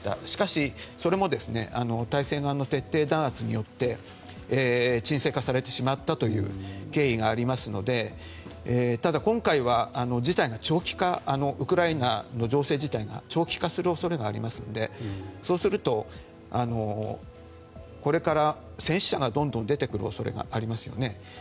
しかし、それも体制側の徹底弾圧によって鎮静化されてしまったという経緯がありますのでただ今回はウクライナの情勢自体が長期化する恐れがありますのでそうするとこれから戦死者がどんどん出てくる恐れがありますね。